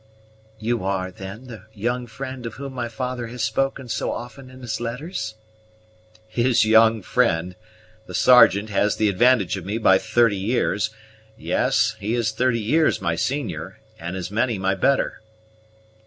"You are, then, the young friend of whom my father has spoken so often in his letters?" "His young friend the Sergeant has the advantage of me by thirty years; yes, he is thirty years my senior, and as many my better."